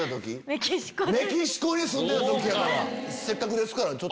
せっかくですから。